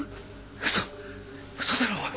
嘘嘘だろおい。